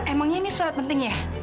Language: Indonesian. emangnya ini surat penting ya